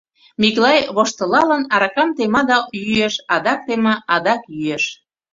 Миклай, воштылалын, аракам тема да йӱэш, адак тема, адак йӱэш...